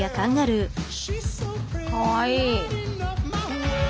かわいい！